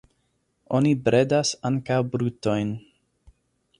Oni bredas ankaŭ brutojn.